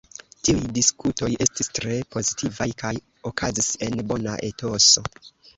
Tiuj diskutoj estis tre pozitivaj kaj okazis en bona etoso.